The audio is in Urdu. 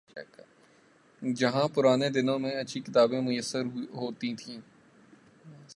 جہاں پرانے دنوں میں اچھی کتابیں میسر ہوتی تھیں۔